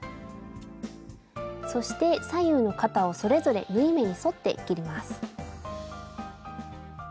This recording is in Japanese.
スタジオそして左右の肩をそれぞれ縫い目に沿って切ります。